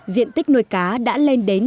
diện tích nuôi cá đã lên đến